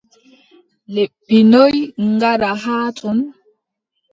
Lebbi noy gaɗɗa haa ton ?